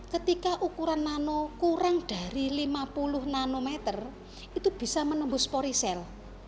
ketika ukuran nano kurang dari lima puluh nanometer itu bisa menembus porisel